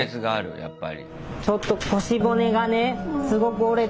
やっぱり。